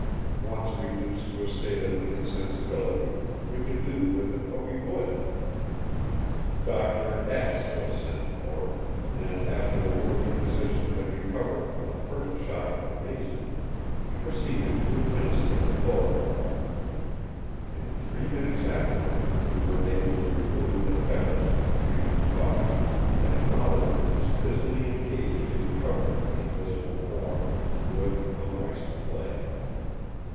Once reduced to a state of insensibility, we could do with it what we would. Doctor X—— was sent for; and after the worthy physician had recovered from the first shock of amazement, he proceeded to administer the chloroform. In three minutes afterward we were enabled to remove the fetters from the creature’s body, and a modeller was busily engaged in covering the invisible form with the moist clay.